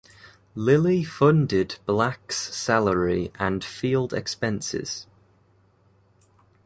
Lilly funded Black's salary and field expenses.